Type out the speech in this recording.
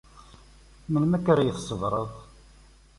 Melmi akka ara yi-tṣebbreḍ?